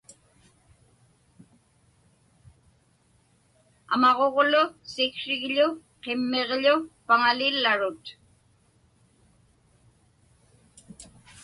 Amaġuġlu siksrigḷu qimmiġḷu paŋalillarut.